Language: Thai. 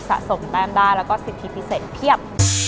สะสมแต้มได้แล้วก็สิทธิพิเศษเพียบ